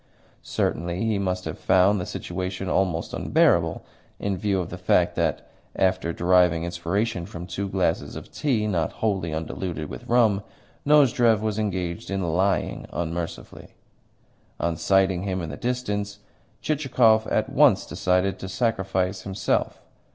Certainly he must have found the situation almost unbearable, in view of the fact that, after deriving inspiration from two glasses of tea not wholly undiluted with rum, Nozdrev was engaged in lying unmercifully. On sighting him in the distance, Chichikov at once decided to sacrifice himself.